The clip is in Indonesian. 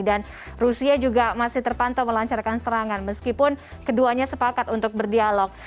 rusia juga masih terpantau melancarkan serangan meskipun keduanya sepakat untuk berdialog